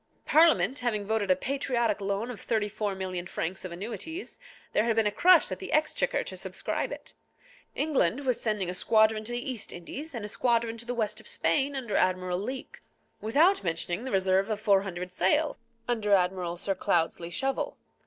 Parliament having voted a patriotic loan of thirty four million francs of annuities, there had been a crush at the Exchequer to subscribe it. England was sending a squadron to the East Indies, and a squadron to the West of Spain under Admiral Leake, without mentioning the reserve of four hundred sail, under Admiral Sir Cloudesley Shovel.